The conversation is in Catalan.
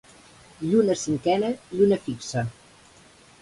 Lluna cinquena, lluna fixa.